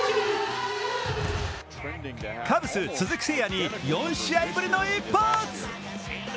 カブス・鈴木誠也に４試合ぶりの１本。